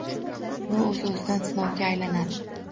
Bu o‘z-o‘zidan sinovga aylanadi.